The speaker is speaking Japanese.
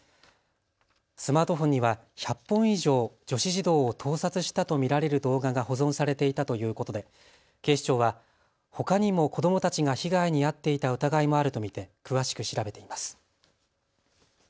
スマートフォンには１００本以上、女子児童を盗撮したと見られる動画が保存されていたということで警視庁はほかにも子どもたちが被害に遭っていた疑いもあると見て詳しく調べています。